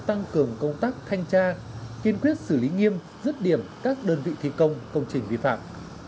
tăng cường công tác thanh tra kiên quyết xử lý nghiêm dứt điểm các đơn vị thi công công trình vi phạm